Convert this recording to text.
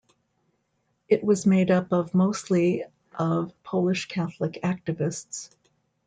It was made up of mostly of Polish Catholic activists.